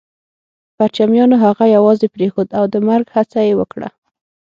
پرچمیانو هغه يوازې پرېښود او د مرګ هڅه يې وکړه